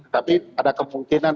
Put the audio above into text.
tapi ada kemungkinan